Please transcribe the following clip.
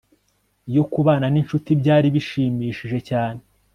iyo kubana n'inshuti byari bishimishije cyane